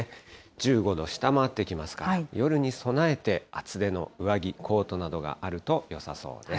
１５度下回ってきますから、夜に備えて厚手の上着、コートなどがあるとよさそうです。